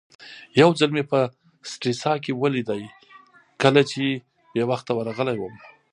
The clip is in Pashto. یو ځل مې په سټریسا کې ولید کله چې بې وخته ورغلی وم.